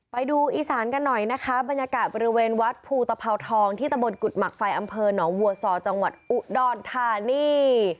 ไปดูอีสานกันหน่อยนะคะบรรยากาศบริเวณวัดภูตภาวทองที่ตะบนกุฎหมักไฟอำเภอหนองวัวซอจังหวัดอุดรธานี